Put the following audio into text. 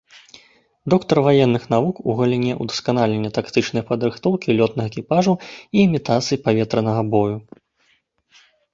Доктар ваенных навук у галіне ўдасканалення тактычнай падрыхтоўкі лётных экіпажаў і імітацыі паветранага бою.